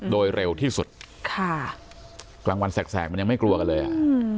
โดยเร็วที่สุดค่ะกลางวันแสกแสกมันยังไม่กลัวกันเลยอ่ะอืม